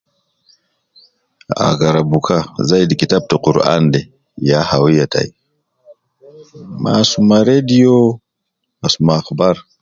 Agara buka zaidi kitaba ta Quran de, ya hawiya tai ,ma asuma radio, asuma akhbar